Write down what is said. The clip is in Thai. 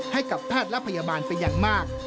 ให้กับภาพและพยาบาลไปอย่างมาก